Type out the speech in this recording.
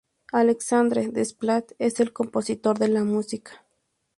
Alexandre Desplat es el compositor de la música.